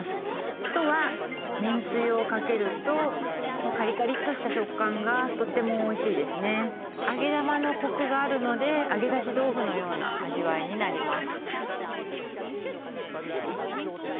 あとはめんつゆをかけるとカリカリっとした食感がとってもおいしいですね揚げ玉のコクがあるので揚げ出し豆腐のような味わいになります